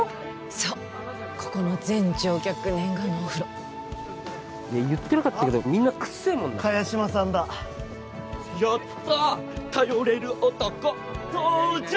そうここの全乗客念願のお風呂言ってなかったけどみんな臭えもんな萱島さんだやった頼れる男登場！